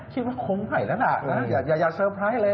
ว่าคงไข่แล้วนะอย่าเตอร์ไพรส์เลย